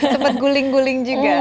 sempet guling guling juga